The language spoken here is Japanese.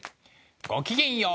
ごきげんよう。